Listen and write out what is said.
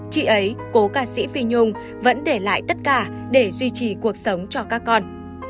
chị ấy cố ca sĩ phi nhung vẫn để lại tất cả để duy trì cuộc sống cho các con